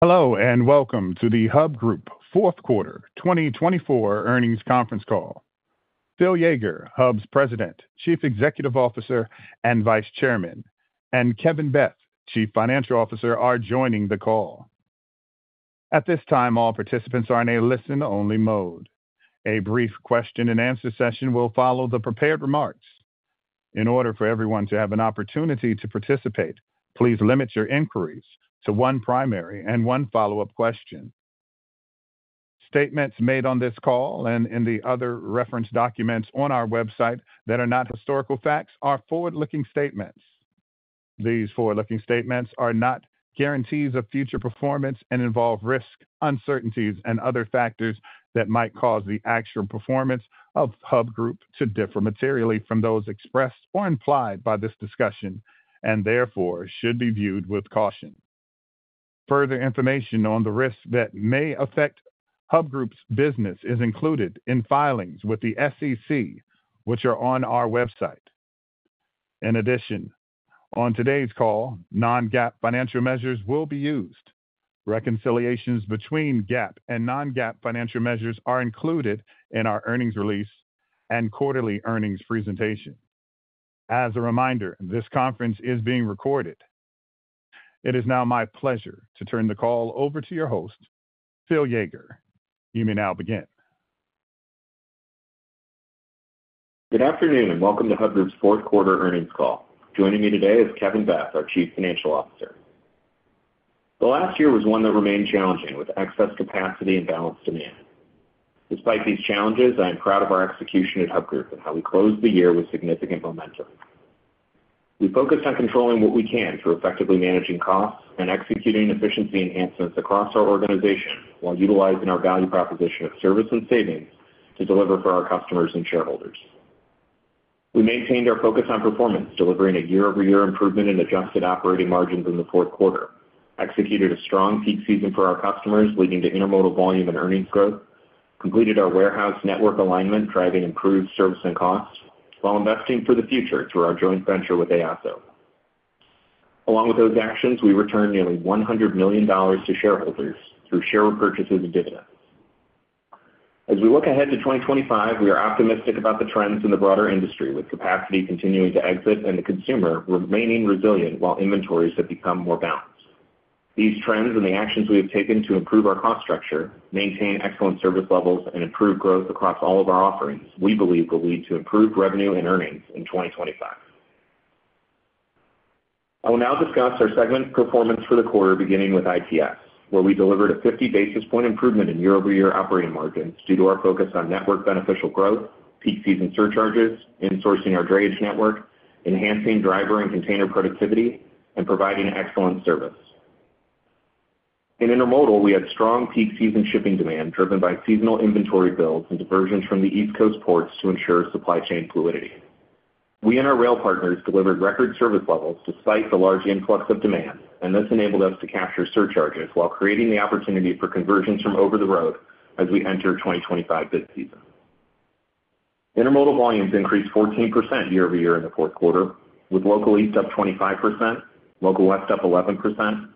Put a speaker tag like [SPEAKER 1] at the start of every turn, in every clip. [SPEAKER 1] Hello and welcome to the Hub Group Fourth Quarter 2024 Earnings Conference Call. Phil Yeager, Hub's President, Chief Executive Officer, and Vice Chairman, and Kevin Beth, Chief Financial Officer, are joining the call. At this time, all participants are in a listen-only mode. A brief question-and-answer session will follow the prepared remarks. In order for everyone to have an opportunity to participate, please limit your inquiries to one primary and one follow-up question. Statements made on this call and in the other reference documents on our website that are not historical facts are forward-looking statements. These forward-looking statements are not guarantees of future performance and involve risk, uncertainties, and other factors that might cause the actual performance of Hub Group to differ materially from those expressed or implied by this discussion and therefore should be viewed with caution. Further information on the risks that may affect Hub Group's business is included in filings with the SEC, which are on our website. In addition, on today's call, non-GAAP financial measures will be used. Reconciliations between GAAP and non-GAAP financial measures are included in our earnings release and quarterly earnings presentation. As a reminder, this conference is being recorded. It is now my pleasure to turn the call over to your host, Phil Yeager. You may now begin.
[SPEAKER 2] Good afternoon and welcome to Hub Group's fourth quarter earnings call. Joining me today is Kevin Beth, our Chief Financial Officer. The last year was one that remained challenging with excess capacity and balanced demand. Despite these challenges, I am proud of our execution at Hub Group and how we closed the year with significant momentum. We focused on controlling what we can through effectively managing costs and executing efficiency enhancements across our organization while utilizing our value proposition of service and savings to deliver for our customers and shareholders. We maintained our focus on performance, delivering a year-over-year improvement in adjusted operating margins in the fourth quarter, executed a strong peak season for our customers leading to intermodal volume and earnings growth, completed our warehouse network alignment, driving improved service and costs, while investing for the future through our joint venture with ASO. Along with those actions, we returned nearly $100 million to shareholders through share purchases and dividends. As we look ahead to 2025, we are optimistic about the trends in the broader industry with capacity continuing to exit and the consumer remaining resilient while inventories have become more balanced. These trends and the actions we have taken to improve our cost structure, maintain excellent service levels, and improve growth across all of our offerings, we believe will lead to improved revenue and earnings in 2025. I will now discuss our segment performance for the quarter, beginning with IPS, where we delivered a 50 basis point improvement in year-over-year operating margins due to our focus on network beneficial growth, peak season surcharges, insourcing our drayage network, enhancing driver and container productivity, and providing excellent service. In intermodal, we had strong peak season shipping demand driven by seasonal inventory builds and diversions from the East Coast ports to ensure supply chain fluidity. We and our rail partners delivered record service levels despite the large influx of demand, and this enabled us to capture surcharges while creating the opportunity for conversions from over the road as we enter 2025 bid season. Intermodal volumes increased 14% year-over-year in the fourth quarter, with local east up 25%, local west up 11%,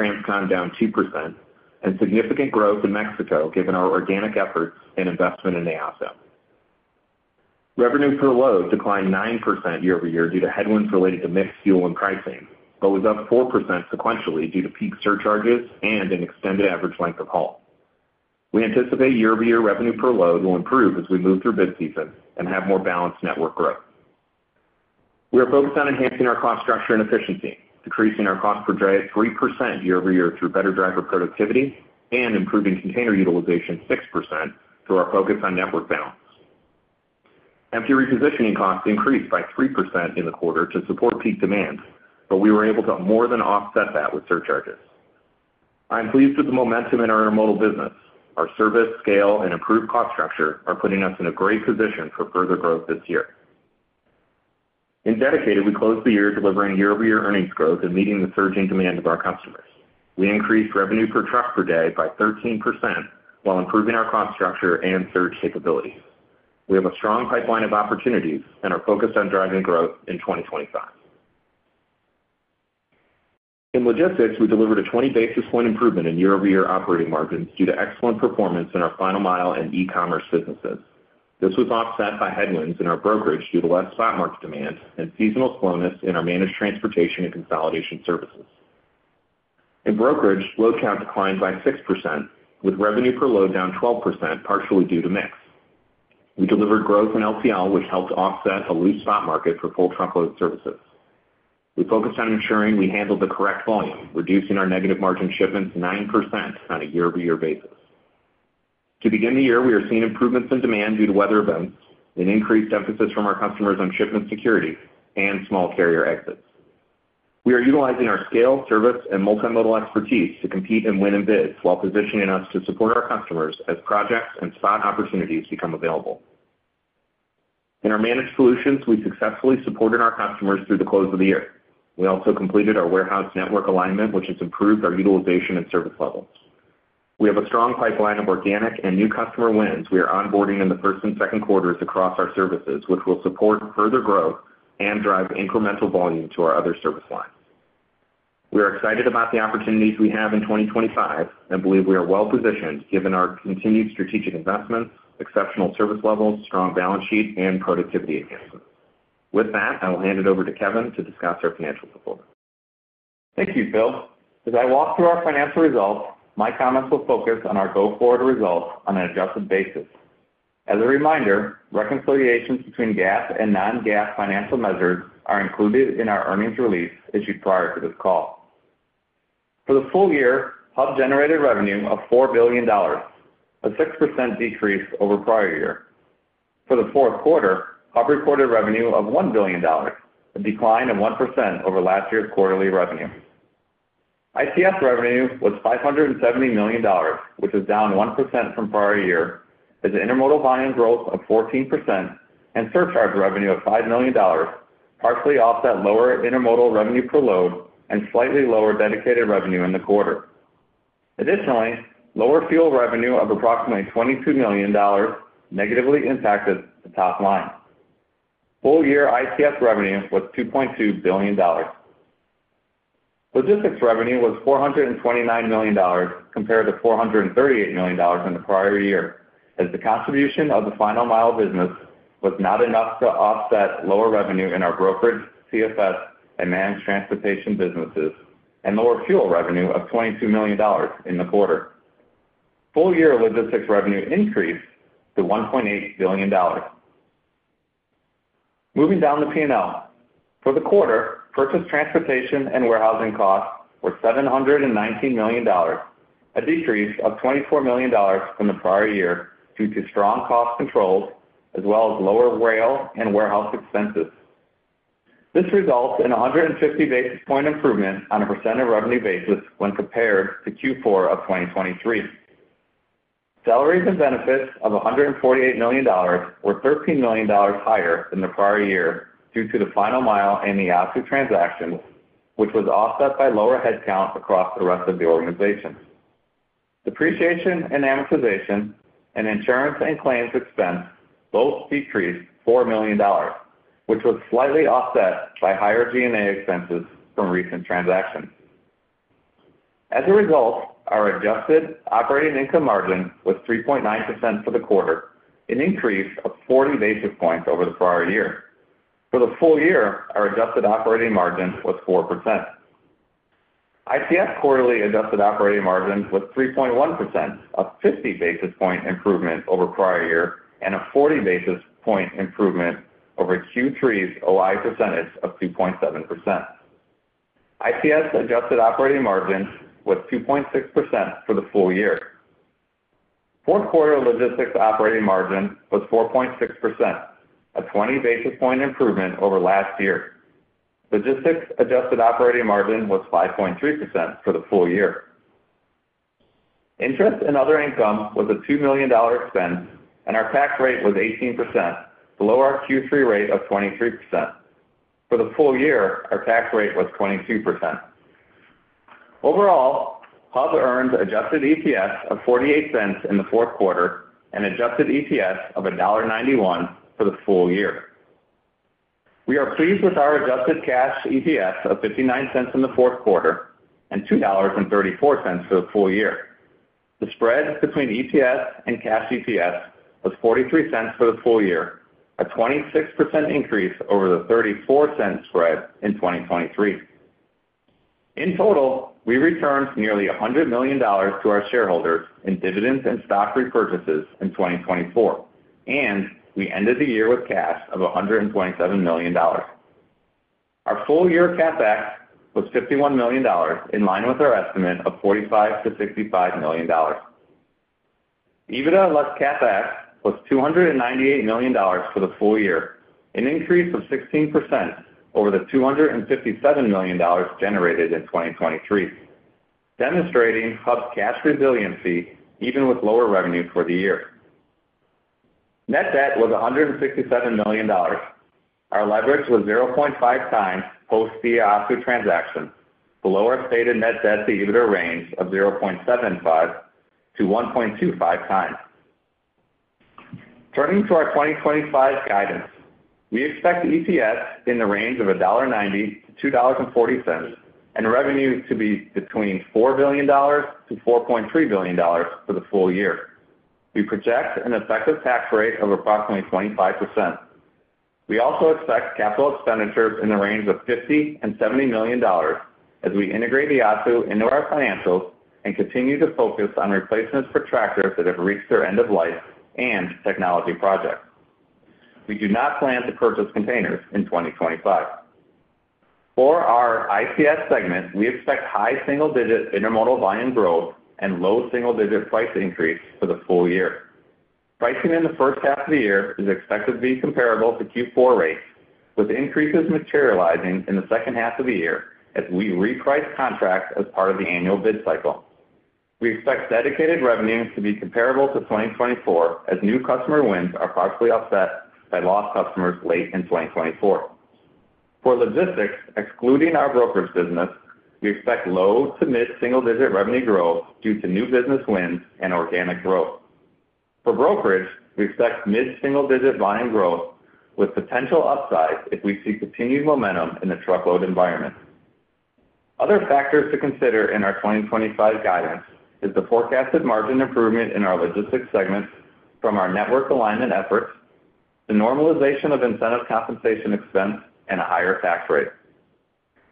[SPEAKER 2] transcontinental down 2%, and significant growth in Mexico given our organic efforts and investment in ASO. Revenue per load declined 9% year-over-year due to headwinds related to mixed fuel and pricing, but was up 4% sequentially due to peak surcharges and an extended average length of haul. We anticipate year-over-year revenue per load will improve as we move through bid season and have more balanced network growth. We are focused on enhancing our cost structure and efficiency, decreasing our cost per dry at 3% year-over-year through better driver productivity and improving container utilization 6% through our focus on network balance. Empty repositioning costs increased by 3% in the quarter to support peak demand, but we were able to more than offset that with surcharges. I am pleased with the momentum in our intermodal business. Our service, scale, and improved cost structure are putting us in a great position for further growth this year. In dedicated, we closed the year delivering year-over-year earnings growth and meeting the surging demand of our customers. We increased revenue per truck per day by 13% while improving our cost structure and surge capabilities. We have a strong pipeline of opportunities and are focused on driving growth in 2025. In logistics, we delivered a 20 basis points improvement in year-over-year operating margins due to excellent performance in our final mile and e-commerce businesses. This was offset by headwinds in our brokerage due to less spot market demand and seasonal slowness in our managed transportation and consolidation services. In brokerage, load count declined by 6%, with revenue per load down 12%, partially due to mix. We delivered growth in LTL, which helped offset a loose spot market for full truckload services. We focused on ensuring we handled the correct volume, reducing our negative margin shipments 9% on a year-over-year basis. To begin the year, we are seeing improvements in demand due to weather events and increased emphasis from our customers on shipment security and small carrier exits. We are utilizing our scale, service, and multimodal expertise to compete and win in bids while positioning us to support our customers as projects and spot opportunities become available. In our managed solutions, we successfully supported our customers through the close of the year. We also completed our warehouse network alignment, which has improved our utilization and service levels. We have a strong pipeline of organic and new customer wins we are onboarding in the first and second quarters across our services, which will support further growth and drive incremental volume to our other service lines. We are excited about the opportunities we have in 2025 and believe we are well positioned given our continued strategic investments, exceptional service levels, strong balance sheet, and productivity enhancements. With that, I will hand it over to Kevin to discuss our financial performance.
[SPEAKER 3] Thank you, Phil. As I walk through our financial results, my comments will focus on our go-forward results on an adjusted basis. As a reminder, reconciliations between GAAP and non-GAAP financial measures are included in our earnings release issued prior to this call. For the full year, Hub generated revenue of $4 billion, a 6% decrease over prior year. For the fourth quarter, Hub reported revenue of $1 billion, a decline of 1% over last year's quarterly revenue. IPS revenue was $570 million, which is down 1% from prior year, as intermodal volume growth of 14% and surcharge revenue of $5 million partially offset lower intermodal revenue per load and slightly lower dedicated revenue in the quarter. Additionally, lower fuel revenue of approximately $22 million negatively impacted the top line. Full year IPS revenue was $2.2 billion. Logistics revenue was $429 million compared to $438 million in the prior year, as the contribution of the final mile business was not enough to offset lower revenue in our brokerage, CFS, and managed transportation businesses, and lower fuel revenue of $22 million in the quarter. Full year logistics revenue increased to $1.8 billion. Moving down the P&L, for the quarter, purchase transportation and warehousing costs were $719 million, a decrease of $24 million from the prior year due to strong cost controls as well as lower rail and warehouse expenses. This results in a 150 basis point improvement on a percent of revenue basis when compared to Q4 of 2023. Salaries and benefits of $148 million were $13 million higher than the prior year due to the final mile and the asset transactions, which was offset by lower headcount across the rest of the organization. Depreciation and amortization and insurance and claims expense both decreased $4 million, which was slightly offset by higher G&A expenses from recent transactions. As a result, our adjusted operating income margin was 3.9% for the quarter, an increase of 40 basis points over the prior year. For the full year, our adjusted operating margin was 4%. IPS quarterly adjusted operating margin was 3.1%, a 50 basis points improvement over prior year, and a 40 basis points improvement over Q3's OI percentage of 2.7%. IPS adjusted operating margin was 2.6% for the full year. Fourth quarter logistics operating margin was 4.6%, a 20 basis points improvement over last year. Logistics adjusted operating margin was 5.3% for the full year. Interest and other income was a $2 million expense, and our tax rate was 18%, below our Q3 rate of 23%. For the full year, our tax rate was 22%. Overall, Hub earned adjusted EPS of $0.48 in the fourth quarter and adjusted EPS of $1.91 for the full year. We are pleased with our adjusted cash EPS of $0.59 in the fourth quarter and $2.34 for the full year. The spread between EPS and cash EPS was $0.43 for the full year, a 26% increase over the $0.34 spread in 2023. In total, we returned nearly $100 million to our shareholders in dividends and stock repurchases in 2024, and we ended the year with cash of $127 million. Our full year CapEx was $51 million, in line with our estimate of $45-$65 million. EBITDA less CapEx was $298 million for the full year, an increase of 16% over the $257 million generated in 2023, demonstrating Hub's cash resiliency even with lower revenue for the year. Net debt was $167 million. Our leverage was 0.5 times post-DAAC transaction, below our stated net debt to EBITDA range of 0.75 to 1.25 times. Turning to our 2025 guidance, we expect EPS in the range of $1.90-$2.40 and revenue to be between $4 billion-$4.3 billion for the full year. We project an effective tax rate of approximately 25%. We also expect capital expenditures in the range of $50 to $70 million as we integrate the asset into our financials and continue to focus on replacements for tractors that have reached their end of life and technology projects. We do not plan to purchase containers in 2025. For our IPS segment, we expect high single-digit intermodal volume growth and low single-digit price increase for the full year. Pricing in the first half of the year is expected to be comparable to Q4 rates, with increases materializing in the second half of the year as we reprice contracts as part of the annual bid cycle. We expect dedicated revenues to be comparable to 2024 as new customer wins are partially offset by lost customers late in 2024. For logistics, excluding our brokerage business, we expect low to mid-single-digit revenue growth due to new business wins and organic growth. For brokerage, we expect mid-single-digit volume growth with potential upside if we see continued momentum in the truckload environment. Other factors to consider in our 2025 guidance are the forecasted margin improvement in our logistics segment from our network alignment efforts, the normalization of incentive compensation expense, and a higher tax rate.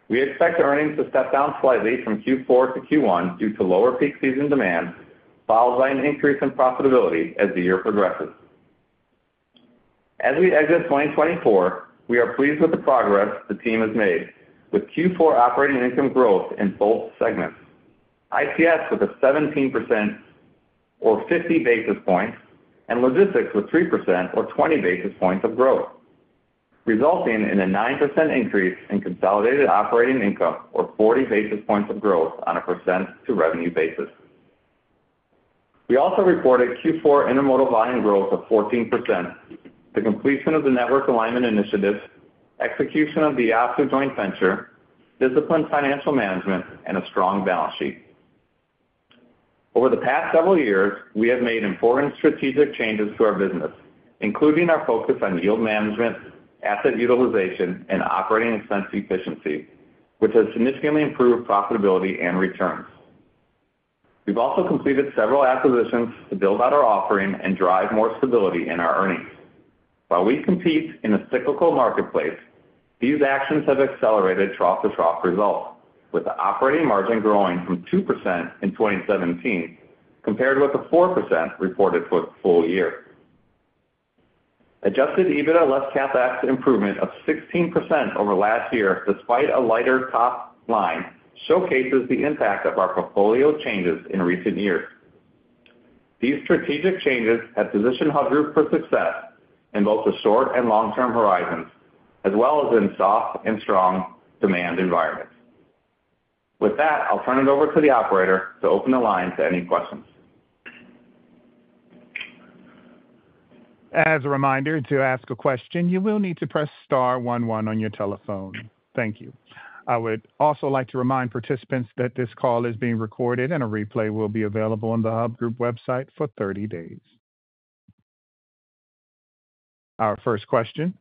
[SPEAKER 3] We expect earnings to step down slightly from Q4 to Q1 due to lower peak season demand, followed by an increase in profitability as the year progresses. As we exit 2024, we are pleased with the progress the team has made, with Q4 operating income growth in both segments: IPS with a 17% or 50 basis points and logistics with 3% or 20 basis points of growth, resulting in a 9% increase in consolidated operating income or 40 basis points of growth on a percent to revenue basis. We also reported Q4 intermodal volume growth of 14%, the completion of the network alignment initiatives, execution of the asset joint venture, disciplined financial management, and a strong balance sheet. Over the past several years, we have made important strategic changes to our business, including our focus on yield management, asset utilization, and operating expense efficiency, which has significantly improved profitability and returns. We've also completed several acquisitions to build out our offering and drive more stability in our earnings. While we compete in a cyclical marketplace, these actions have accelerated trough-to-trough results, with the operating margin growing from 2% in 2017 compared with the 4% reported for the full year. Adjusted EBITDA less CapEx improvement of 16% over last year, despite a lighter top line, showcases the impact of our portfolio changes in recent years. These strategic changes have positioned Hub Group for success in both the short and long-term horizons, as well as in soft and strong demand environments. With that, I'll turn it over to the operator to open the line to any questions.
[SPEAKER 1] As a reminder, to ask a question, you will need to press star 11 on your telephone. Thank you. I would also like to remind participants that this call is being recorded and a replay will be available on the Hub Group website for 30 days. Our first question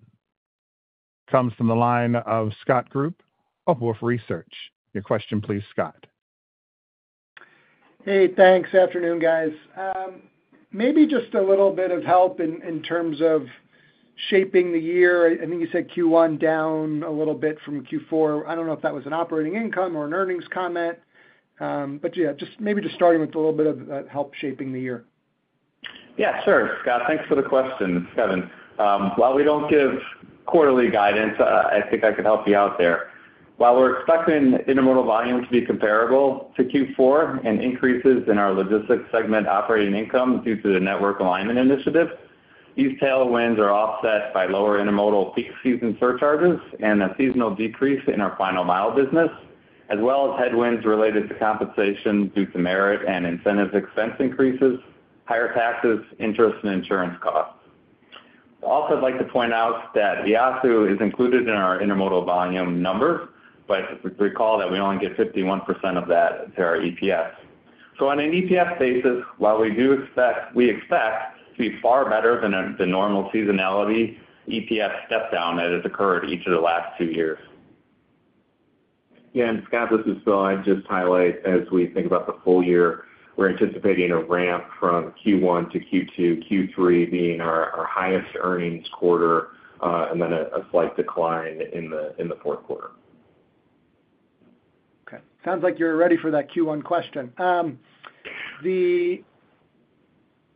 [SPEAKER 1] comes from the line of Scott Group of Wolfe Research. Your question, please, Scott.
[SPEAKER 4] Hey, thanks. Afternoon, guys. Maybe just a little bit of help in terms of shaping the year. I think you said Q1 down a little bit from Q4. I don't know if that was an operating income or an earnings comment, but yeah, just maybe starting with a little bit of help shaping the year.
[SPEAKER 3] Yeah, sure. Scott, thanks for the question, Kevin. While we don't give quarterly guidance, I think I could help you out there. While we're expecting intermodal volume to be comparable to Q4 and increases in our logistics segment operating income due to the network alignment initiative, these tailwinds are offset by lower intermodal peak season surcharges and a seasonal decrease in our final mile business, as well as headwinds related to compensation due to merit and incentive expense increases, higher taxes, interest, and insurance costs. Also, I'd like to point out that EASO is included in our intermodal volume numbers, but recall that we only get 51% of that to our EPS. So on an EPS basis, while we do expect to be far better than the normal seasonality EPS step-down that has occurred each of the last two years.
[SPEAKER 2] Yeah, and Scott, this is Phil. I'd just highlight, as we think about the full year, we're anticipating a ramp from Q1 to Q2, Q3 being our highest earnings quarter, and then a slight decline in the fourth quarter.
[SPEAKER 4] Okay. Sounds like you're ready for that Q1 question.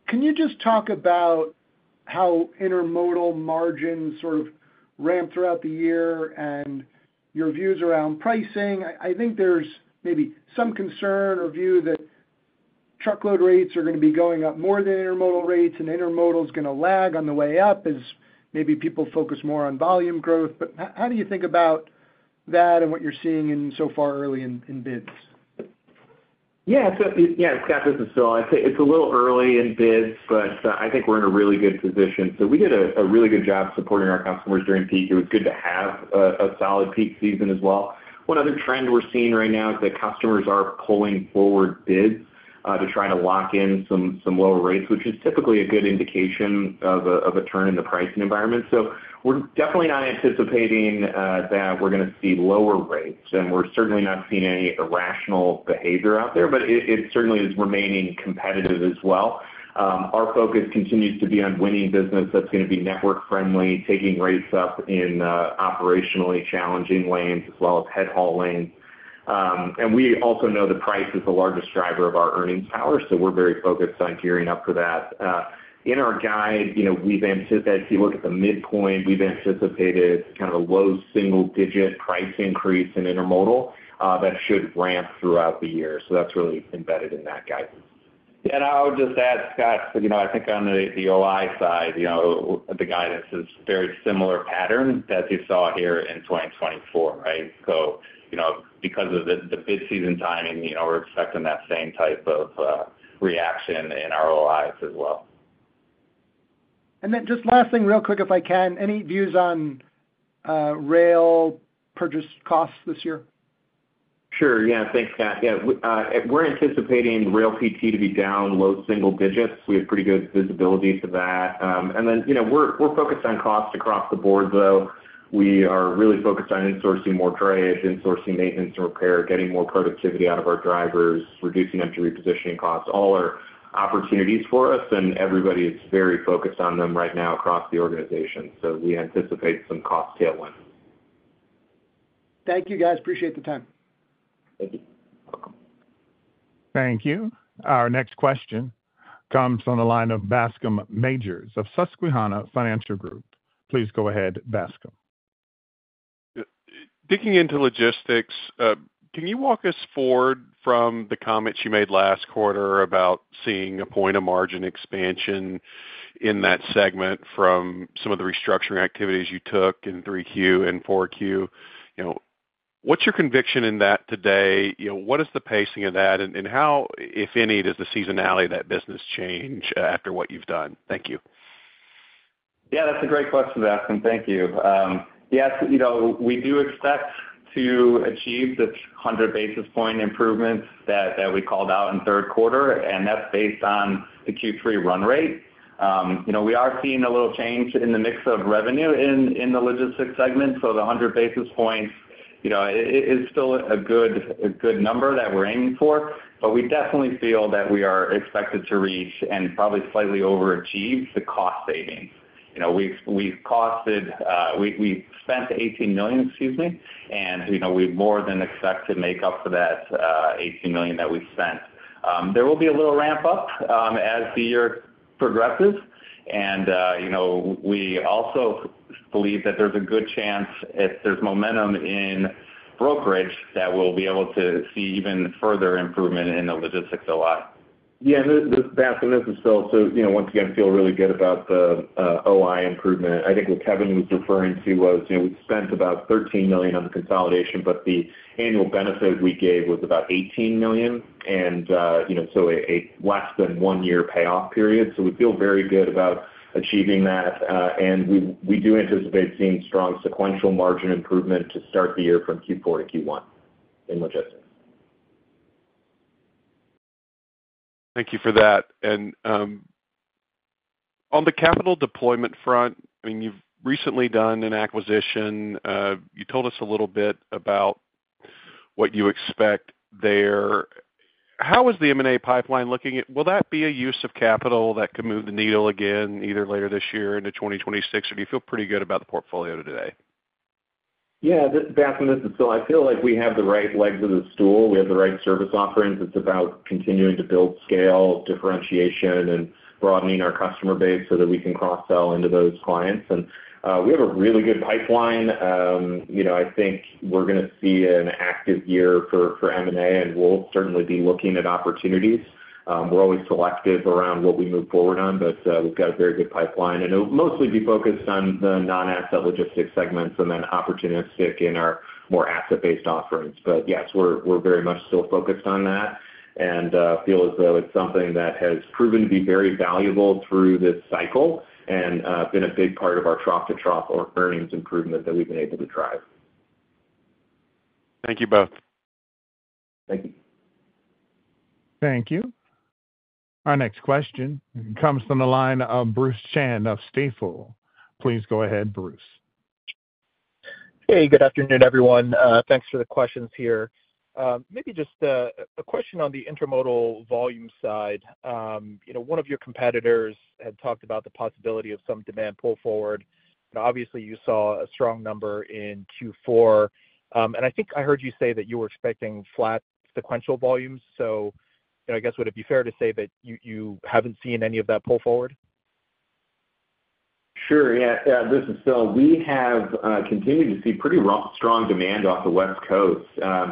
[SPEAKER 4] Can you just talk about how intermodal margins sort of ramp throughout the year and your views around pricing? I think there's maybe some concern or view that truckload rates are going to be going up more than intermodal rates, and intermodal is going to lag on the way up as maybe people focus more on volume growth. But how do you think about that and what you're seeing so far early in bids?
[SPEAKER 2] Yeah, so yeah, Scott, this is Phil. I'd say it's a little early in bids, but I think we're in a really good position. So we did a really good job supporting our customers during peak. It was good to have a solid peak season as well. One other trend we're seeing right now is that customers are pulling forward bids to try to lock in some lower rates, which is typically a good indication of a turn in the pricing environment. So we're definitely not anticipating that we're going to see lower rates, and we're certainly not seeing any irrational behavior out there, but it certainly is remaining competitive as well. Our focus continues to be on winning business that's going to be network-friendly, taking rates up in operationally challenging lanes as well as head haul lanes. And we also know that price is the largest driver of our earnings power, so we're very focused on gearing up for that. In our guide, we've looked at the midpoint. We've anticipated kind of a low single-digit price increase in intermodal that should ramp throughout the year. So that's really embedded in that guidance.
[SPEAKER 3] And I'll just add, Scott, I think on the OI side, the guidance is a very similar pattern that you saw here in 2024, right? So because of the bid season timing, we're expecting that same type of reaction in our OIs as well.
[SPEAKER 4] Just last thing, real quick, if I can, any views on rail purchase costs this year?
[SPEAKER 3] Sure. Yeah, thanks, Scott. Yeah, we're anticipating rail PT to be down low single digits. We have pretty good visibility to that. And then we're focused on cost across the board, though. We are really focused on insourcing more drivers, insourcing maintenance and repair, getting more productivity out of our drivers, reducing empty repositioning costs. All are opportunities for us, and everybody is very focused on them right now across the organization. So we anticipate some cost tailwinds.
[SPEAKER 4] Thank you, guys. Appreciate the time.
[SPEAKER 3] Thank you.
[SPEAKER 1] Thank you. Our next question comes from the line of Bascome Majors, of Susquehanna Financial Group. Please go ahead, Bascome.
[SPEAKER 5] Digging into logistics, can you walk us forward from the comments you made last quarter about seeing a point of margin expansion in that segment from some of the restructuring activities you took in 3Q and 4Q? What's your conviction in that today? What is the pacing of that? And how, if any, does the seasonality of that business change after what you've done? Thank you.
[SPEAKER 3] Yeah, that's a great question, Bascom. Thank you. Yes, we do expect to achieve this 100 basis point improvement that we called out in third quarter, and that's based on the Q3 run rate. We are seeing a little change in the mix of revenue in the logistics segment. So the 100 basis points is still a good number that we're aiming for, but we definitely feel that we are expected to reach and probably slightly overachieve the cost savings. We spent $18 million, excuse me, and we more than expect to make up for that $18 million that we spent. There will be a little ramp up as the year progresses, and we also believe that there's a good chance if there's momentum in brokerage that we'll be able to see even further improvement in the logistics a lot.
[SPEAKER 2] Yeah, and this, Bascom, this is Phil. So once again, I feel really good about the OI improvement. I think what Kevin was referring to was we spent about $13 million on the consolidation, but the annual benefit we gave was about $18 million. And so a less than one-year payoff period. So we feel very good about achieving that, and we do anticipate seeing strong sequential margin improvement to start the year from Q4 to Q1 in logistics.
[SPEAKER 5] Thank you for that. And on the capital deployment front, I mean, you've recently done an acquisition. You told us a little bit about what you expect there. How is the M&A pipeline looking? Will that be a use of capital that could move the needle again either later this year into 2026, or do you feel pretty good about the portfolio today?
[SPEAKER 2] Yeah, Bascom, this is Phil. I feel like we have the right legs of the stool. We have the right service offerings. It's about continuing to build scale, differentiation, and broadening our customer base so that we can cross-sell into those clients, and we have a really good pipeline. I think we're going to see an active year for M&A, and we'll certainly be looking at opportunities. We're always selective around what we move forward on, but we've got a very good pipeline, and it'll mostly be focused on the non-asset logistics segments and then opportunistic in our more asset-based offerings, but yes, we're very much still focused on that, and I feel as though it's something that has proven to be very valuable through this cycle and been a big part of our trough-to-trough or earnings improvement that we've been able to drive.
[SPEAKER 5] Thank you both.
[SPEAKER 2] Thank you.
[SPEAKER 1] Thank you. Our next question comes from the line of Bruce Chan of Stifel. Please go ahead, Bruce.
[SPEAKER 6] Hey, good afternoon, everyone. Thanks for the questions here. Maybe just a question on the intermodal volume side. One of your competitors had talked about the possibility of some demand pull forward. Obviously, you saw a strong number in Q4, and I think I heard you say that you were expecting flat sequential volumes. So I guess, would it be fair to say that you haven't seen any of that pull forward?
[SPEAKER 2] Sure. Yeah, this is Phil. We have continued to see pretty strong demand off the West Coast.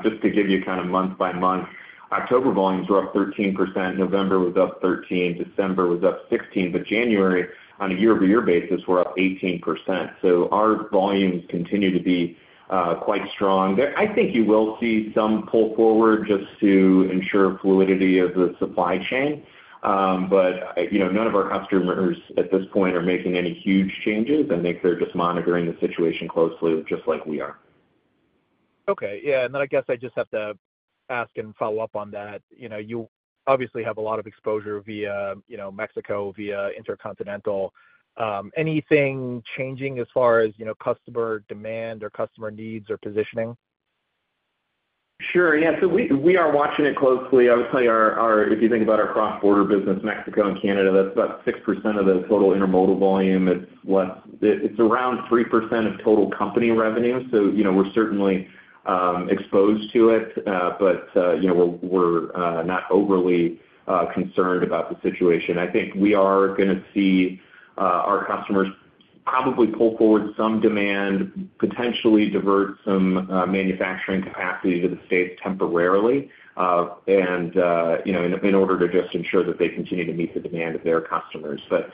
[SPEAKER 2] Just to give you kind of month-by-month, October volumes were up 13%. November was up 13%. December was up 16%. But January, on a year-over-year basis, we're up 18%. So our volumes continue to be quite strong. I think you will see some pull forward just to ensure fluidity of the supply chain, but none of our customers at this point are making any huge changes. I think they're just monitoring the situation closely, just like we are.
[SPEAKER 6] Okay. Yeah, and then I guess I just have to ask and follow up on that. You obviously have a lot of exposure via Mexico, via intermodal. Anything changing as far as customer demand or customer needs or positioning?
[SPEAKER 2] Sure. Yeah. We are watching it closely. I would say if you think about our cross-border business, Mexico and Canada, that's about 6% of the total intermodal volume. It's around 3% of total company revenue. We're certainly exposed to it, but we're not overly concerned about the situation. I think we are going to see our customers probably pull forward some demand, potentially divert some manufacturing capacity to the States temporarily in order to just ensure that they continue to meet the demand of their customers. But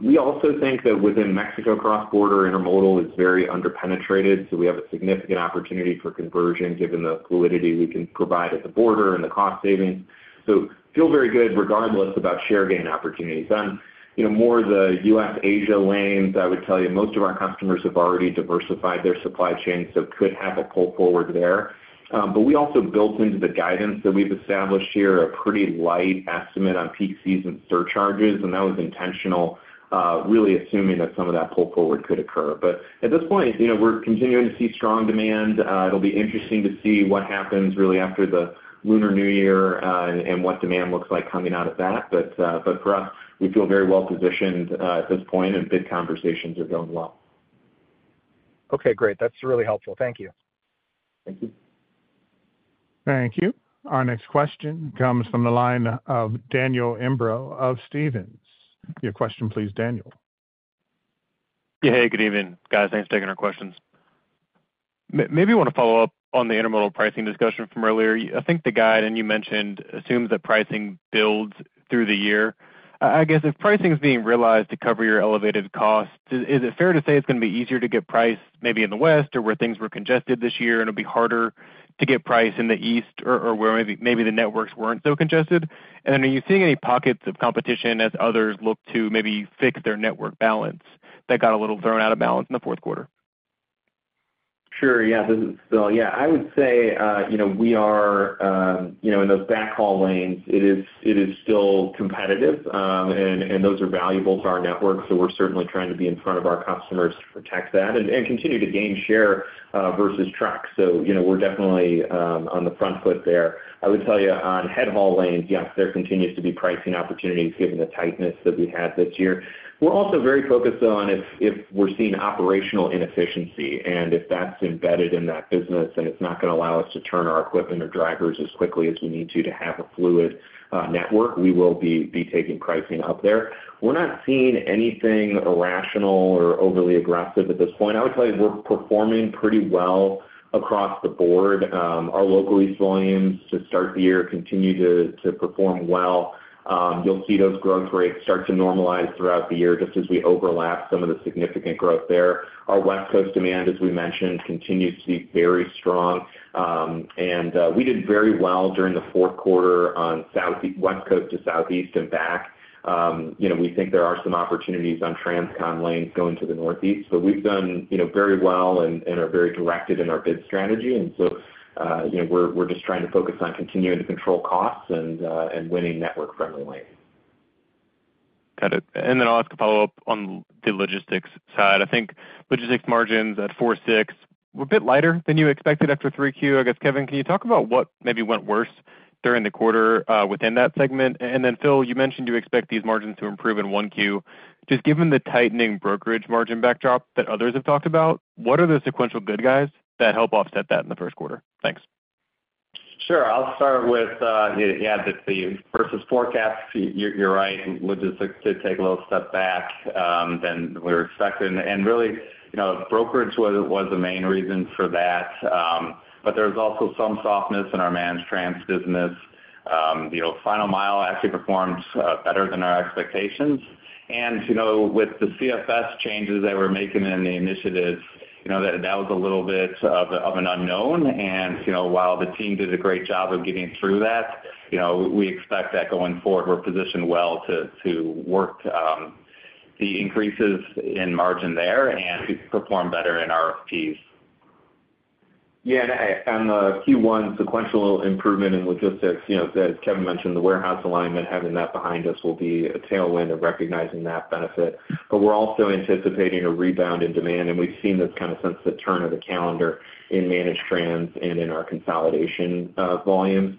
[SPEAKER 2] we also think that within Mexico, cross-border intermodal is very underpenetrated. We have a significant opportunity for conversion given the fluidity we can provide at the border and the cost savings. We feel very good regardless about share gain opportunities. Then, more of the U.S.-Asia lanes, I would tell you most of our customers have already diversified their supply chain, so could have a pull forward there. But we also built into the guidance that we've established here a pretty light estimate on peak season surcharges, and that was intentional, really assuming that some of that pull forward could occur. But at this point, we're continuing to see strong demand. It'll be interesting to see what happens really after the Lunar New Year and what demand looks like coming out of that. But for us, we feel very well positioned at this point, and big conversations are going well.
[SPEAKER 6] Okay. Great. That's really helpful. Thank you.
[SPEAKER 2] Thank you.
[SPEAKER 1] Thank you. Our next question comes from the line of Daniel Imbro of Stephens. Your question, please, Daniel.
[SPEAKER 7] Yeah. Hey, good evening, guys. Thanks for taking our questions.
[SPEAKER 5] Maybe I want to follow up on the intermodal pricing discussion from earlier. I think the guide you mentioned assumes that pricing builds through the year. I guess if pricing is being realized to cover your elevated costs, is it fair to say it's going to be easier to get priced maybe in the West or where things were congested this year, and it'll be harder to get priced in the East or where maybe the networks weren't so congested? And then are you seeing any pockets of competition as others look to maybe fix their network balance that got a little thrown out of balance in the fourth quarter?
[SPEAKER 2] Sure. Yeah, this is Phil. Yeah, I would say we are in those backhaul lanes. It is still competitive, and those are valuable to our network. So we're certainly trying to be in front of our customers to protect that and continue to gain share versus trucks. So we're definitely on the front foot there. I would tell you on head haul lanes, yes, there continues to be pricing opportunities given the tightness that we had this year. We're also very focused on if we're seeing operational inefficiency, and if that's embedded in that business and it's not going to allow us to turn our equipment or drivers as quickly as we need to to have a fluid network, we will be taking pricing up there. We're not seeing anything irrational or overly aggressive at this point. I would tell you we're performing pretty well across the board. Our locally used volumes to start the year continue to perform well. You'll see those growth rates start to normalize throughout the year just as we overlap some of the significant growth there. Our West Coast demand, as we mentioned, continues to be very strong. And we did very well during the fourth quarter on West Coast to Southeast and back. We think there are some opportunities on Transcon lanes going to the Northeast. So we've done very well and are very directed in our bid strategy. And so we're just trying to focus on continuing to control costs and winning network-friendly lanes.
[SPEAKER 7] Got it, and then I'll ask a follow-up on the logistics side. I think logistics margins at 46 were a bit lighter than you expected after 3Q. I guess, Kevin, can you talk about what maybe went worse during the quarter within that segment? And then Phil, you mentioned you expect these margins to improve in 1Q. Just given the tightening brokerage margin backdrop that others have talked about, what are the sequential good guys that help offset that in the first quarter? Thanks.
[SPEAKER 3] Sure. I'll start with, yeah, versus forecasts, you're right. Logistics did take a little step back than we were expecting. And really, brokerage was the main reason for that. But there was also some softness in our managed trans business. Final Mile actually performed better than our expectations. And with the CFS changes that we're making in the initiative, that was a little bit of an unknown. And while the team did a great job of getting through that, we expect that going forward, we're positioned well to work the increases in margin there and perform better in RFPs.
[SPEAKER 2] Yeah. And the Q1 sequential improvement in logistics, as Kevin mentioned, the warehouse alignment, having that behind us will be a tailwind of recognizing that benefit. But we're also anticipating a rebound in demand, and we've seen this kind of since the turn of the calendar in managed trans and in our consolidation volumes.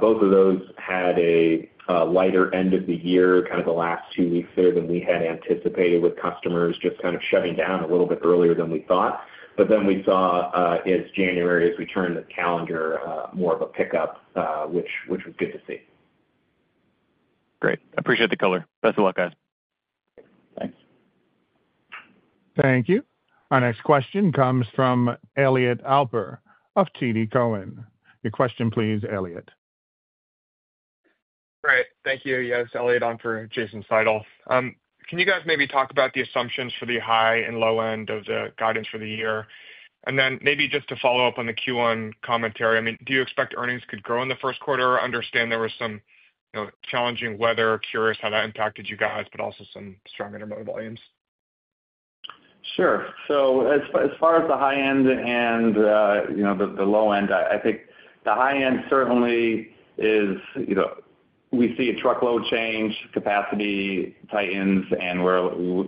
[SPEAKER 2] Both of those had a lighter end of the year, kind of the last two weeks there than we had anticipated with customers just kind of shutting down a little bit earlier than we thought. But then we saw, as January, as we turned the calendar, more of a pickup, which was good to see.
[SPEAKER 7] Great. Appreciate the color. Best of luck, guys.
[SPEAKER 2] Thanks.
[SPEAKER 1] Thank you. Our next question comes from Elliot Alper of TD Cowen. Your question, please, Elliot.
[SPEAKER 8] Great. Thank you. Yes, Elliot Alper for Jason Seidl. Can you guys maybe talk about the assumptions for the high and low end of the guidance for the year? And then maybe just to follow up on the Q1 commentary, I mean, do you expect earnings could grow in the first quarter? Understand there was some challenging weather. Curious how that impacted you guys, but also some strong intermodal volumes.
[SPEAKER 3] Sure, so as far as the high end and the low end, I think the high end certainly is we see a truckload change, capacity tightens, and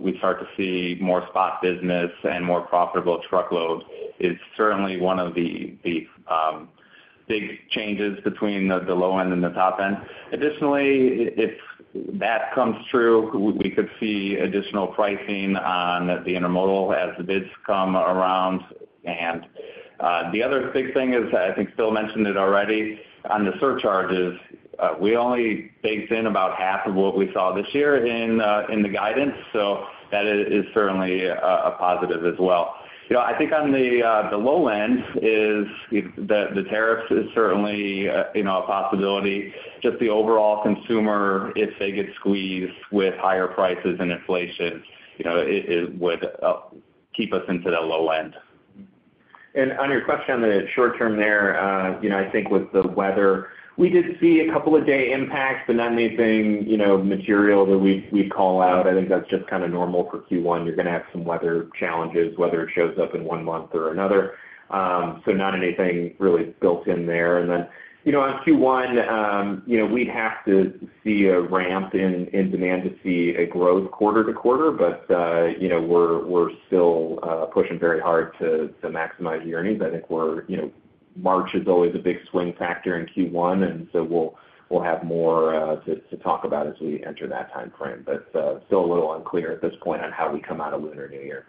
[SPEAKER 3] we start to see more spot business and more profitable truckload. It's certainly one of the big changes between the low end and the top end. Additionally, if that comes true, we could see additional pricing on the intermodal as the bids come around, and the other big thing is, I think Phil mentioned it already, on the surcharges, we only baked in about half of what we saw this year in the guidance. So that is certainly a positive as well. I think on the low end is the tariffs is certainly a possibility. Just the overall consumer, if they get squeezed with higher prices and inflation, it would keep us into that low end.
[SPEAKER 2] On your question on the short term there, I think with the weather, we did see a couple of days impacts, but not anything material that we'd call out. I think that's just kind of normal for Q1. You're going to have some weather challenges, whether it shows up in one month or another. Not anything really built in there. Then on Q1, we'd have to see a ramp in demand to see a growth quarter to quarter, but we're still pushing very hard to maximize earnings. I think March is always a big swing factor in Q1, and so we'll have more to talk about as we enter that time frame. Still a little unclear at this point on how we come out of Lunar New Year.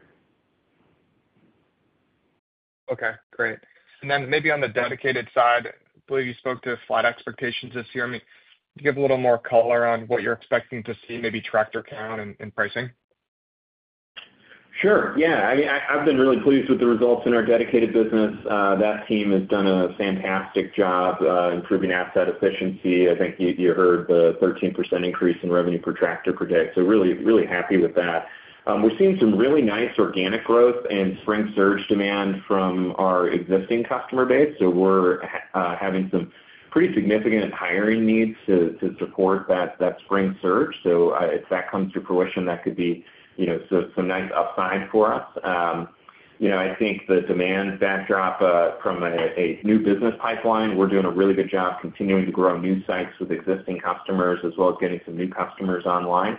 [SPEAKER 8] Okay. Great. And then maybe on the dedicated side, I believe you spoke to flat expectations this year. I mean, give a little more color on what you're expecting to see, maybe tractor count and pricing.
[SPEAKER 2] Sure. Yeah. I mean, I've been really pleased with the results in our dedicated business. That team has done a fantastic job improving asset efficiency. I think you heard the 13% increase in revenue per tractor per day. So really happy with that. We're seeing some really nice organic growth and spring surge demand from our existing customer base. So we're having some pretty significant hiring needs to support that spring surge. So if that comes to fruition, that could be some nice upside for us. I think the demand backdrop from a new business pipeline, we're doing a really good job continuing to grow new sites with existing customers as well as getting some new customers online.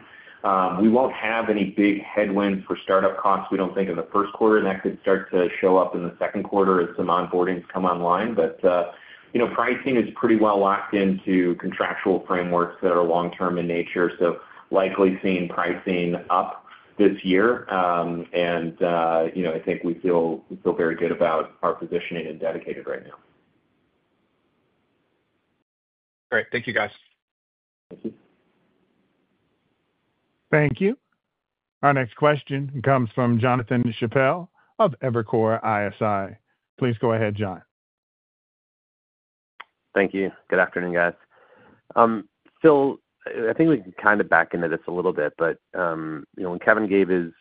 [SPEAKER 2] We won't have any big headwinds for startup costs. We don't think in the first quarter that could start to show up in the second quarter as some onboardings come online. But pricing is pretty well locked into contractual frameworks that are long-term in nature. So likely seeing pricing up this year. And I think we feel very good about our positioning and dedicated right now.
[SPEAKER 8] Great. Thank you, guys.
[SPEAKER 2] Thank you.
[SPEAKER 1] Thank you. Our next question comes from Jonathan Chappell of Evercore ISI. Please go ahead, John.
[SPEAKER 9] Thank you. Good afternoon, guys. Phil, I think we can kind of back into this a little bit, but when Kevin gave his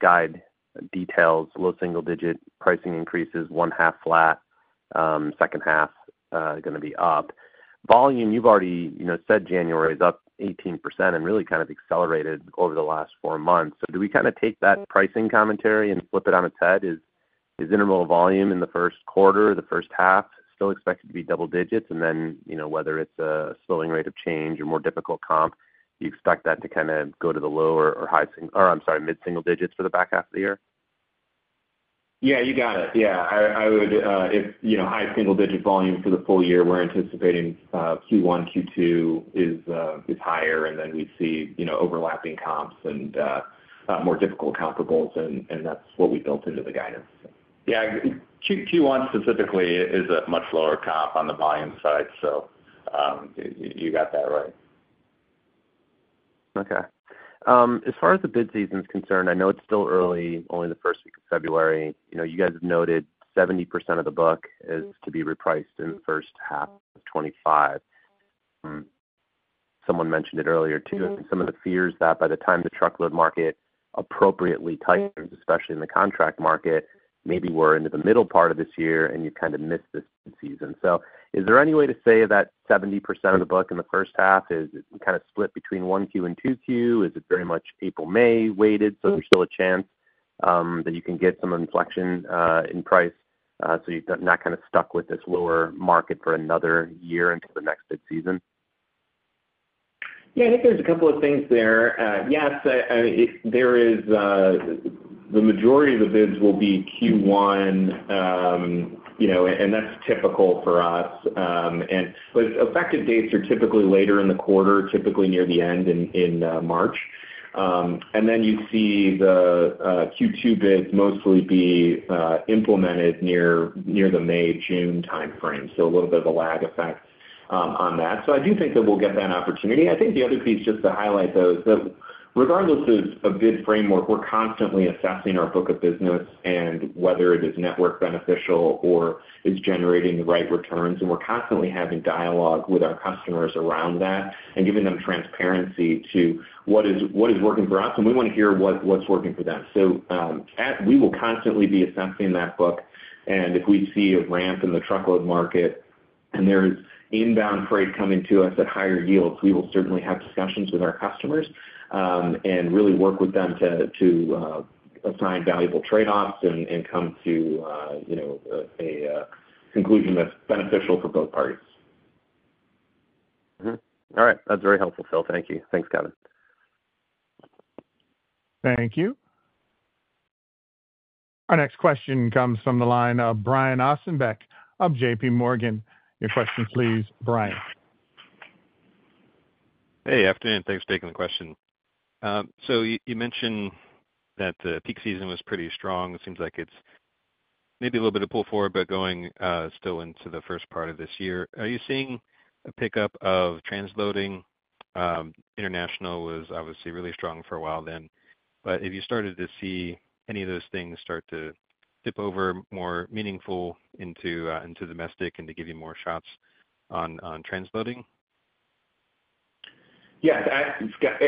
[SPEAKER 9] guide details, low single-digit pricing increases, one-half flat, second half going to be up. Volume, you've already said January is up 18% and really kind of accelerated over the last four months. So do we kind of take that pricing commentary and flip it on its head? Is intermodal volume in the first quarter, the first half, still expected to be double digits? And then whether it's a slowing rate of change or more difficult comp, you expect that to kind of go to the lower or high single or I'm sorry, mid-single digits for the back half of the year?
[SPEAKER 2] Yeah, you got it. Yeah. I would say high single-digit volume for the full year. We're anticipating Q1, Q2 is higher, and then we see overlapping comps and more difficult comparables, and that's what we built into the guidance. Yeah. Q1 specifically is a much lower comp on the volume side. So you got that right.
[SPEAKER 9] Okay. As far as the bid season's concerned, I know it's still early, only the first week of February. You guys have noted 70% of the book is to be repriced in the first half of 2025. Someone mentioned it earlier too, and some of the fears that by the time the truckload market appropriately tightens, especially in the contract market, maybe we're into the middle part of this year and you kind of miss this bid season. So is there any way to say that 70% of the book in the first half is kind of split between 1Q and 2Q? Is it very much April, May weighted? So there's still a chance that you can get some inflection in price. So you've not kind of stuck with this lower market for another year into the next bid season?
[SPEAKER 2] Yeah, I think there's a couple of things there. Yes, there is the majority of the bids will be Q1, and that's typical for us. And but effective dates are typically later in the quarter, typically near the end in March. And then you see the Q2 bids mostly be implemented near the May, June time frame. So a little bit of a lag effect on that. So I do think that we'll get that opportunity. I think the other piece just to highlight though is that regardless of bid framework, we're constantly assessing our book of business and whether it is network beneficial or is generating the right returns. And we're constantly having dialogue with our customers around that and giving them transparency to what is working for us, and we want to hear what's working for them. So we will constantly be assessing that book. If we see a ramp in the truckload market and there is inbound freight coming to us at higher yields, we will certainly have discussions with our customers and really work with them to assign valuable trade-offs and come to a conclusion that's beneficial for both parties.
[SPEAKER 9] All right. That's very helpful, Phil. Thank you. Thanks, Kevin.
[SPEAKER 1] Thank you. Our next question comes from the line of Brian Ossenbeck of JPMorgan. Your question, please, Brian.
[SPEAKER 10] Hey, afternoon. Thanks for taking the question. So you mentioned that the peak season was pretty strong. It seems like it's maybe a little bit of pull forward, but going still into the first part of this year. Are you seeing a pickup of trans-loading? International was obviously really strong for a while then. But have you started to see any of those things start to tip over more meaningful into domestic and to give you more shots on trans-loading?
[SPEAKER 2] Yeah.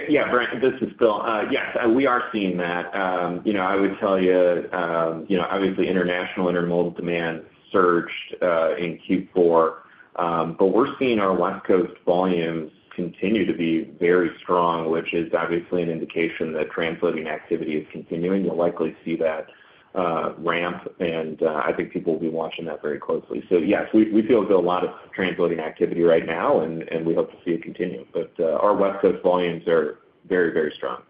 [SPEAKER 2] Yeah, Brian, this is Phil. Yes, we are seeing that. I would tell you, obviously, international Intermodal demand surged in Q4, but we're seeing our West Coast volumes continue to be very strong, which is obviously an indication that trans-loading activity is continuing. You'll likely see that ramp, and I think people will be watching that very closely. So yes, we feel there's a lot of transloading activity right now, and we hope to see it continue. But our West Coast volumes are very, very strong.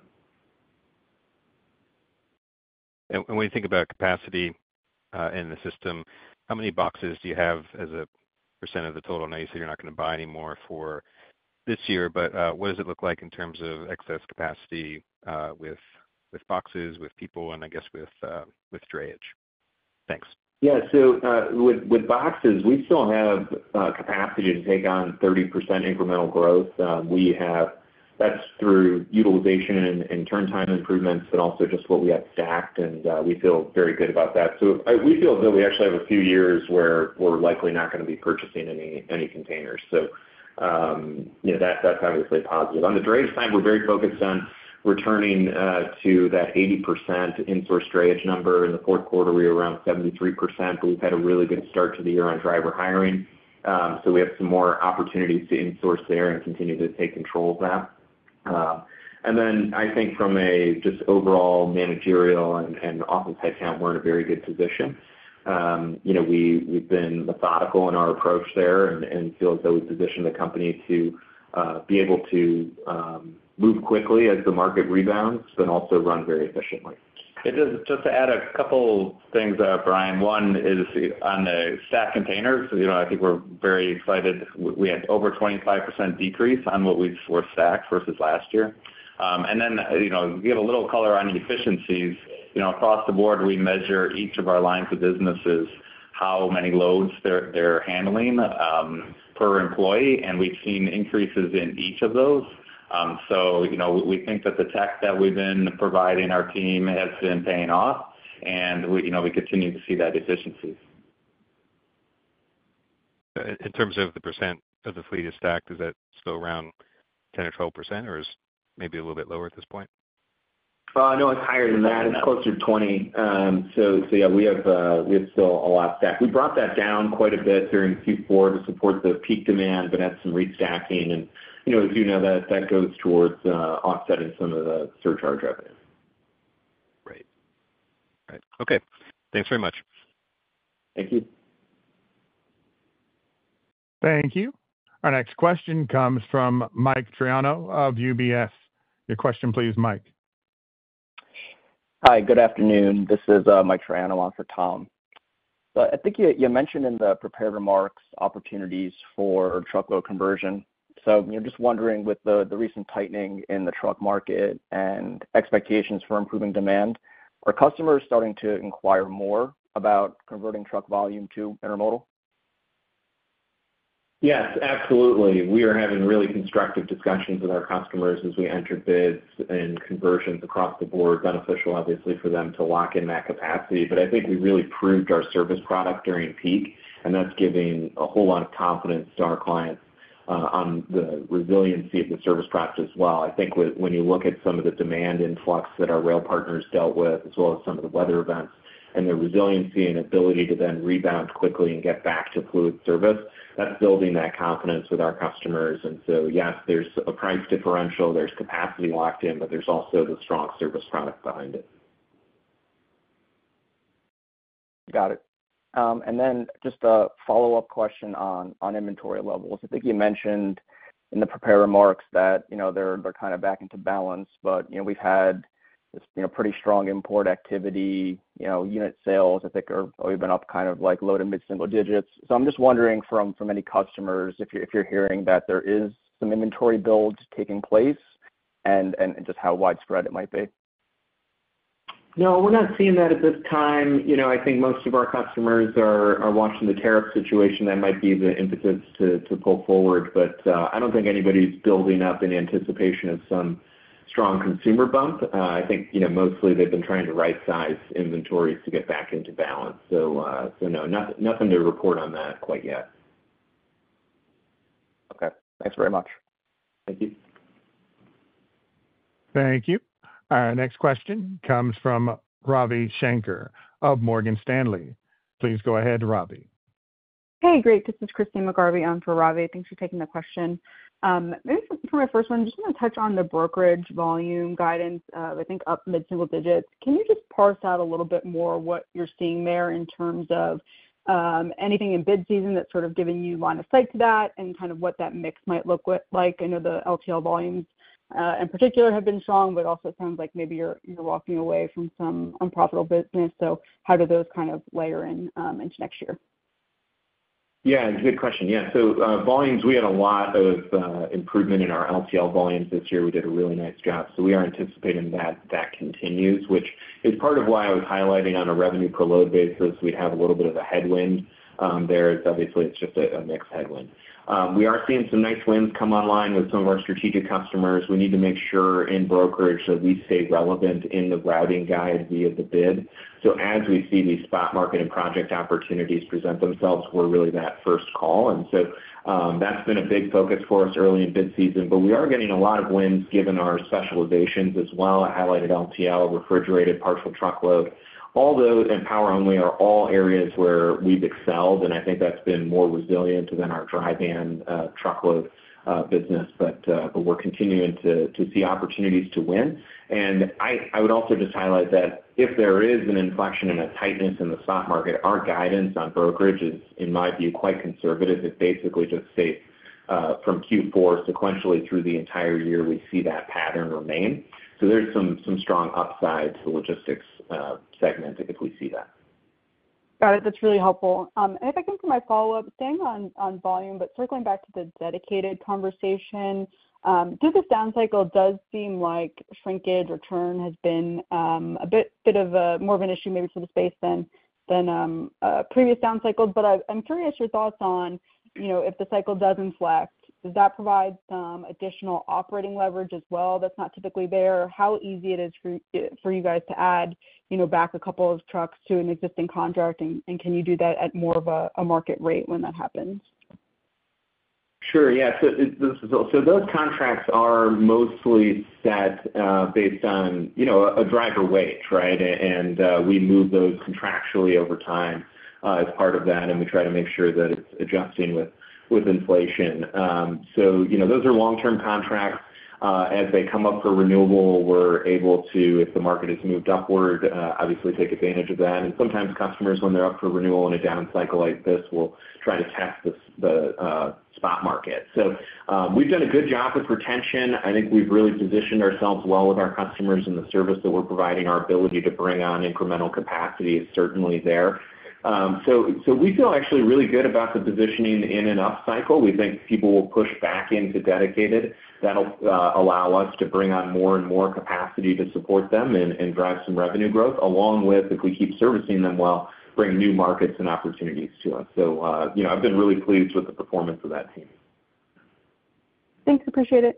[SPEAKER 10] When you think about capacity in the system, how many boxes do you have as a % of the total? Now, you said you're not going to buy any more for this year, but what does it look like in terms of excess capacity with boxes, with people, and I guess with drayage? Thanks.
[SPEAKER 2] Yeah, so with boxes, we still have capacity to take on 30% incremental growth. That's through utilization and turn-time improvements and also just what we have stacked, and we feel very good about that, so we feel as though we actually have a few years where we're likely not going to be purchasing any containers, so that's obviously positive. On the drayage side, we're very focused on returning to that 80% insource drayage number. In the fourth quarter, we were around 73%, but we've had a really good start to the year on driver hiring, so we have some more opportunities to in-source there and continue to take control of that, and then I think from a just overall managerial and office headcount, we're in a very good position. We've been methodical in our approach there and feel as though we've positioned the company to be able to move quickly as the market rebounds but also run very efficiently.
[SPEAKER 3] Just to add a couple of things, Brian. One is on the stacked containers. I think we're very excited. We had over 25% decrease on what we've stacked versus last year, and then to give a little color on the efficiencies, across the board, we measure each of our lines of businesses, how many loads they're handling per employee, and we've seen increases in each of those, so we think that the tech that we've been providing our team has been paying off, and we continue to see that efficiency.
[SPEAKER 10] In terms of the percent of the fleet is stacked, is that still around 10% or 12%, or is maybe a little bit lower at this point?
[SPEAKER 2] No, it's higher than that. It's closer to 20%, so yeah, we have still a lot stacked. We brought that down quite a bit during Q4 to support the peak demand, but had some restacking, and as you know, that goes towards offsetting some of the surcharge revenue.
[SPEAKER 10] Right. All right. Okay. Thanks very much.
[SPEAKER 2] Thank you.
[SPEAKER 1] Thank you. Our next question comes from Mike Triano of UBS. Your question, please, Mike.
[SPEAKER 11] Hi, good afternoon. This is Mike Triano on for Tom. So I think you mentioned in the prepared remarks opportunities for truckload conversion. So just wondering, with the recent tightening in the truck market and expectations for improving demand, are customers starting to inquire more about converting truck volume to intermodal?
[SPEAKER 2] Yes, absolutely. We are having really constructive discussions with our customers as we enter bids and conversions across the board, beneficial obviously for them to lock in that capacity. But I think we really proved our service product during peak, and that's giving a whole lot of confidence to our clients on the resiliency of the service product as well. I think when you look at some of the demand influx that our rail partners dealt with, as well as some of the weather events and the resiliency and ability to then rebound quickly and get back to fluid service, that's building that confidence with our customers. And so yes, there's a price differential. There's capacity locked in, but there's also the strong service product behind it.
[SPEAKER 11] Got it. And then just a follow-up question on inventory levels. I think you mentioned in the prepared remarks that they're kind of back into balance, but we've had this pretty strong import activity. Unit sales, I think, have even been up kind of low to mid-single digits. So I'm just wondering from any customers if you're hearing that there is some inventory build taking place and just how widespread it might be.
[SPEAKER 3] No, we're not seeing that at this time. I think most of our customers are watching the tariff situation. That might be the impetus to pull forward, but I don't think anybody's building up in anticipation of some strong consumer bump. I think mostly they've been trying to right-size inventories to get back into balance. So no, nothing to report on that quite yet.
[SPEAKER 11] Okay. Thanks very much.
[SPEAKER 2] Thank you.
[SPEAKER 1] Thank you. Our next question comes from Ravi Shanker of Morgan Stanley. Please go ahead, Ravi.
[SPEAKER 12] Hey, great. This is Christine McGarvey on for Ravi. Thanks for taking the question. Maybe for my first one, just want to touch on the brokerage volume guidance of, I think, up mid-single digits. Can you just parse out a little bit more what you're seeing there in terms of anything in bid season that's sort of giving you line of sight to that and kind of what that mix might look like? I know the LTL volumes in particular have been strong, but it also sounds like maybe you're walking away from some unprofitable business. So how do those kind of layer into next year?
[SPEAKER 3] Yeah, good question. Yeah. So volumes, we had a lot of improvement in our LTL volumes this year. We did a really nice job. So we are anticipating that that continues, which is part of why I was highlighting on a revenue per load basis. We'd have a little bit of a headwind there. Obviously, it's just a mixed headwind. We are seeing some nice wins come online with some of our strategic customers. We need to make sure in brokerage that we stay relevant in the routing guide via the bid. So as we see these spot market and project opportunities present themselves, we're really that first call. And so that's been a big focus for us early in bid season, but we are getting a lot of wins given our specializations as well. I highlighted LTL, refrigerated, partial truckload. dedicated, and power only are all areas where we've excelled, and I think that's been more resilient than our dry van truckload business, but we're continuing to see opportunities to win. And I would also just highlight that if there is an inflection and a tightness in the truck market, our guidance on brokerage is, in my view, quite conservative. It basically just states from Q4 sequentially through the entire year, we see that pattern remain. So there's some strong upside to the logistics segment if we see that.
[SPEAKER 12] Got it. That's really helpful. And if I can put my follow-up, staying on volume, but circling back to the dedicated conversation, through the down cycle, it does seem like shrinkage or churn has been a bit more of an issue maybe for the space than previous down cycles. But I'm curious your thoughts on if the cycle does inflect, does that provide some additional operating leverage as well that's not typically there? How easy it is for you guys to add back a couple of trucks to an existing contract, and can you do that at more of a market rate when that happens?
[SPEAKER 2] Sure. Yeah. So those contracts are mostly set based on a driver wage, right? And we move those contractually over time as part of that, and we try to make sure that it's adjusting with inflation. So those are long-term contracts. As they come up for renewal, we're able to, if the market has moved upward, obviously take advantage of that. And sometimes customers, when they're up for renewal in a down cycle like this, will try to test the spot market. So we've done a good job with retention. I think we've really positioned ourselves well with our customers and the service that we're providing. Our ability to bring on incremental capacity is certainly there. So we feel actually really good about the positioning in an up cycle. We think people will push back into dedicated. That'll allow us to bring on more and more capacity to support them and drive some revenue growth, along with, if we keep servicing them well, bring new markets and opportunities to us. So I've been really pleased with the performance of that team.
[SPEAKER 12] Thanks. Appreciate it.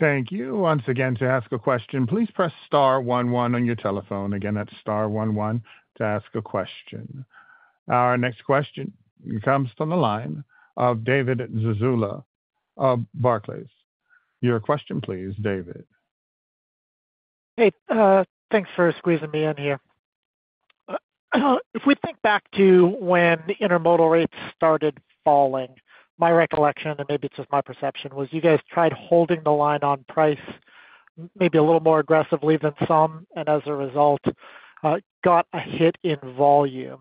[SPEAKER 2] Thank you.
[SPEAKER 1] Thank you. Once again, to ask a question, please press star 11 on your telephone. Again, that's star 11 to ask a question. Our next question comes from the line of David Zazula of Barclays. Your question, please, David.
[SPEAKER 13] Hey, thanks for squeezing me in here. If we think back to when intermodal rates started falling, my recollection, and maybe it's just my perception, was you guys tried holding the line on price maybe a little more aggressively than some, and as a result, got a hit in volume,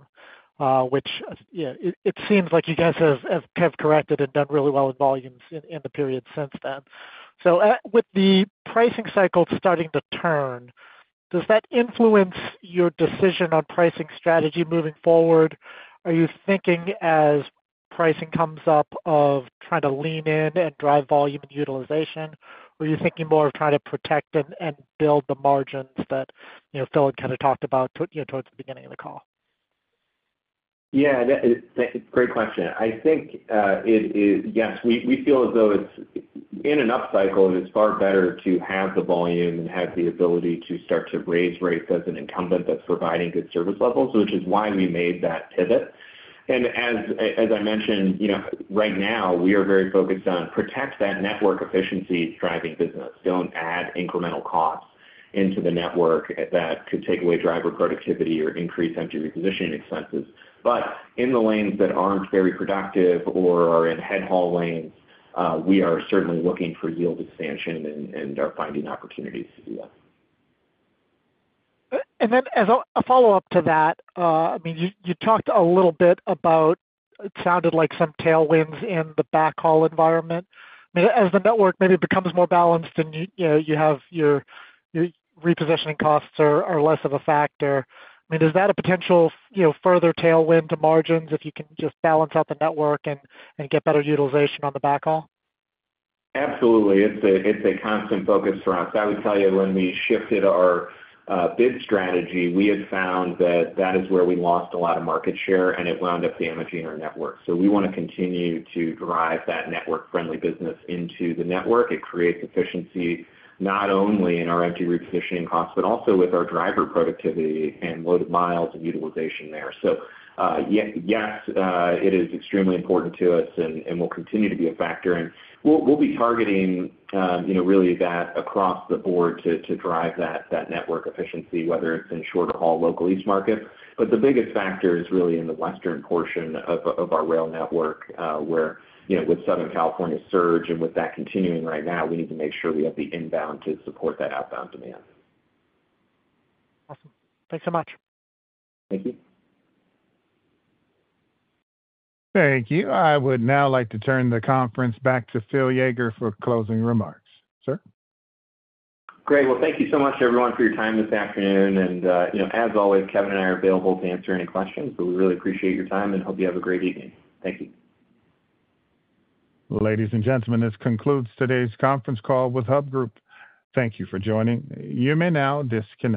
[SPEAKER 13] which it seems like you guys have corrected and done really well with volumes in the period since then. So with the pricing cycle starting to turn, does that influence your decision on pricing strategy moving forward? Are you thinking, as pricing comes up, of trying to lean in and drive volume and utilization, or are you thinking more of trying to protect and build the margins that Phil had kind of talked about towards the beginning of the call?
[SPEAKER 2] Yeah, great question. I think it is, yes. We feel as though in an up cycle, it is far better to have the volume and have the ability to start to raise rates as an incumbent that's providing good service levels, which is why we made that pivot. And as I mentioned, right now, we are very focused on protecting that network efficiency-driving business. Don't add incremental costs into the network that could take away driver productivity or increase empty repositioning expenses. But in the lanes that aren't very productive or are in head haul lanes, we are certainly looking for yield expansion and are finding opportunities to do that.
[SPEAKER 13] Then, as a follow-up to that, I mean, you talked a little bit about it. It sounded like some tailwinds in the backhaul environment. I mean, as the network maybe becomes more balanced and you have your repositioning costs are less of a factor, I mean, is that a potential further tailwind to margins if you can just balance out the network and get better utilization on the backhaul?
[SPEAKER 2] Absolutely. It's a constant focus for us. I would tell you when we shifted our bid strategy, we had found that that is where we lost a lot of market share, and it wound up damaging our network. So we want to continue to drive that network-friendly business into the network. It creates efficiency not only in our empty repositioning costs, but also with our driver productivity and loaded miles and utilization there. So yes, it is extremely important to us and will continue to be a factor. And we'll be targeting really that across the board to drive that network efficiency, whether it's in short-haul local east markets. But the biggest factor is really in the western portion of our rail network where with Southern California surge and with that continuing right now, we need to make sure we have the inbound to support that outbound demand.
[SPEAKER 13] Awesome. Thanks so much.
[SPEAKER 2] Thank you.
[SPEAKER 1] Thank you. I would now like to turn the conference back to Phil Yeager for closing remarks. Sir.
[SPEAKER 2] Great. Well, thank you so much, everyone, for your time this afternoon. And as always, Kevin and I are available to answer any questions. So we really appreciate your time and hope you have a great evening. Thank you.
[SPEAKER 1] Ladies and gentlemen, this concludes today's conference call with Hub Group. Thank you for joining. You may now disconnect.